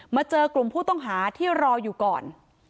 เจอกลุ่มผู้ต้องหาที่รออยู่ก่อน